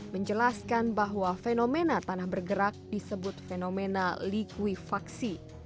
menjelaskan bahwa fenomena tanah bergerak disebut fenomena likuifaksi